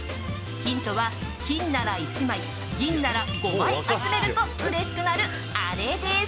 ヒントは、金なら１枚銀なら５枚集めるとうれしくなる、あれです。